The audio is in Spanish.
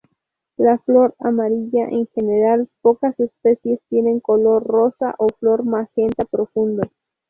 La flor amarilla en general, pocas especies tienen color rosa a flor magenta profundo.